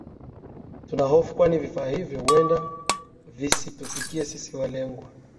Tuna hofu kwani vifaa hivyo huenda visitufike sisi walengwa